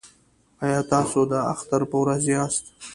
ایا تاسو د اختر په ورځ یاست؟